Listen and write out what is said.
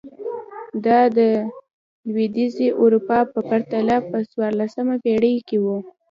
دا د لوېدیځې اروپا په پرتله په څوارلسمه پېړۍ کې و.